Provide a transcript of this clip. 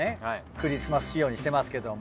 クリスマス仕様にしてますけども。